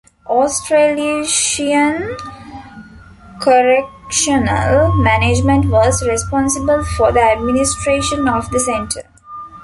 Australasian Correctional Management was responsible for the administration of the Centre.